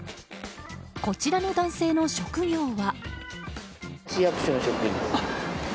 こちらの男性の職業は？